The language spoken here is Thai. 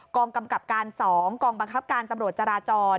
กองกำกับการ๒กองบังคับการตำรวจจราจร